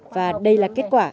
và đây là kết quả